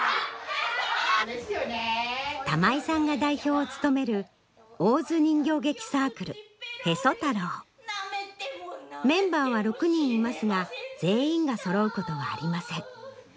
玉井さんが代表を務めるメンバーは６人いますが全員がそろうことはありません。